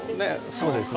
そうですよね。